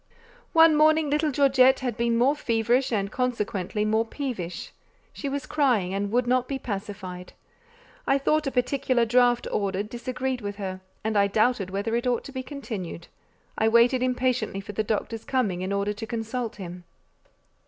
One morning little Georgette had been more feverish and consequently more peevish; she was crying, and would not be pacified. I thought a particular draught ordered, disagreed with her, and I doubted whether it ought to be continued; I waited impatiently for the doctor's coming in order to consult him.